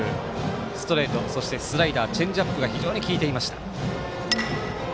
ストレート、そしてスライダー、チェンジアップが非常に効いていました。